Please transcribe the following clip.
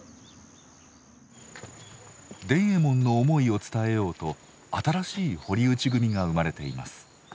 伝右衛門の思いを伝えようと新しい堀内組が生まれています。